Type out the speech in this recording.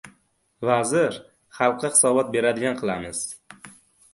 Vazir xalqqa hisobot beradigan qilamiz.